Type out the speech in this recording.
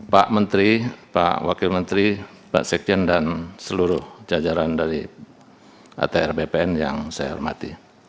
pak menteri pak wakil menteri pak sekjen dan seluruh jajaran dari atr bpn yang saya hormati